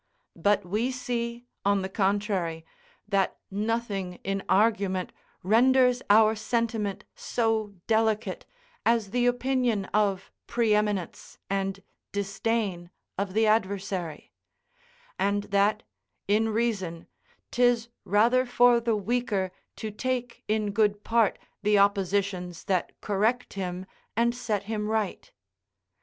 But we see, on the contrary, that nothing in argument renders our sentiment so delicate, as the opinion of pre eminence, and disdain of the adversary; and that, in reason, 'tis rather for the weaker to take in good part the oppositions that correct him and set him right.